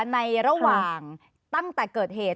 ในระหว่างตั้งแต่เกิดเหตุ